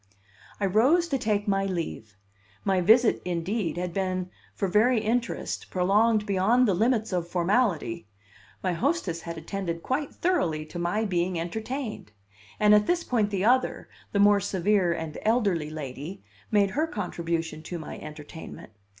I rose to take my leave; my visit, indeed, had been, for very interest, prolonged beyond the limits of formality my hostess had attended quite thoroughly to my being entertained. And at this point the other, the more severe and elderly lady, made her contribution to my entertainment.